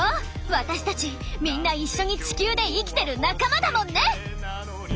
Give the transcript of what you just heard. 私たちみんな一緒に地球で生きてる仲間だもんね！